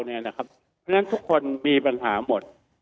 เพราะฉะนั้นทุกคนมีปัญหาหมด